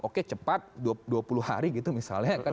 oke cepat dua puluh hari gitu misalnya